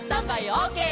オーケー！」